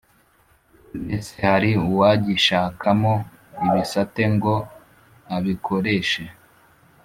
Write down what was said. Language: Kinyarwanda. Mbese hari uwagishakamo ibisate ngo abikoreshe?